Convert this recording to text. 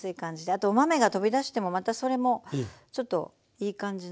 あとお豆が飛び出してもまたそれもちょっといい感じなので。